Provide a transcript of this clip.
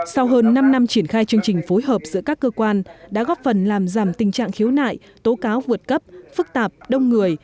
sau hơn năm năm triển khai chương trình phối hợp giữa các cơ quan đã góp phần làm giảm tình trạng khiếu nại tố cáo vượt cấp phức tạp đông người